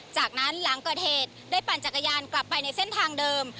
จากนั้นหลังเกิดเหตุได้ปั่นจักรยานกลับไปในเส้นทางเดิม